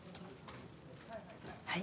はい。